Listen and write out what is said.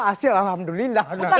hasil alhamdulillah bukan bukan